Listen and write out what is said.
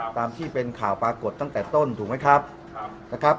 ตามที่เป็นข่าวปรากฏตั้งแต่ต้นถูกไหมครับนะครับ